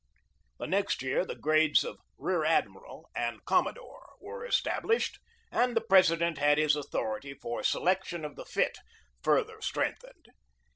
The next year the grades of rear admiral and commodore were established and the President had his authority for selection of the fit further strength ened.